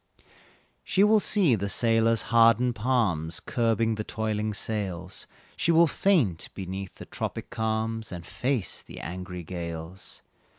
She will see the sailor's hardened palms Curbing the toiling sails, She will faint beneath the tropic calms And face the angry gales.